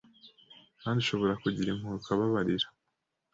Kandi ushobora kugira impuhwe ukababarira